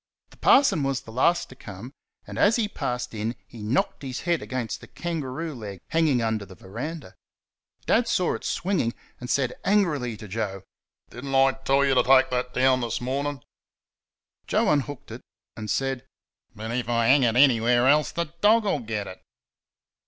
The parson was the last to come, and as he passed in he knocked his head against the kangaroo leg hanging under the verandah. Dad saw it swinging, and said angrily to Joe: "Did n't I tell you to take that down this morning?" Joe unhooked it and said: "But if I hang it anywhere else the dog'll get it."